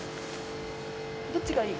どっちがいい？